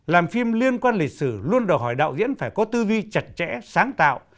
làm phim liên quan lịch sử luôn đòi hỏi đạo diễn phải có tư duy chặt chẽ sáng tạo